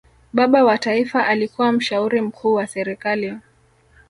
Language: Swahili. baba wa taifa alikuwa mshauri mkuu wa serikali